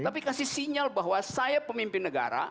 tapi kasih sinyal bahwa saya pemimpin negara